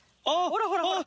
ほらほら！